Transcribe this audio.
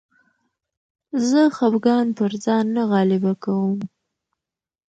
زه خپګان پر ځان نه غالبه کوم.